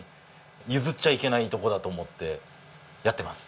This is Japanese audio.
譲っちゃいけないとこだと思ってやってます。